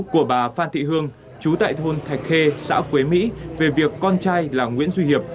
của bà phan thị hương chú tại thôn thạch khê xã quế mỹ về việc con trai là nguyễn duy hiệp